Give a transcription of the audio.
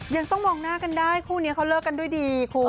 ยังต้องมองหน้ากันได้คู่นี้เขาเลิกกันด้วยดีคุณ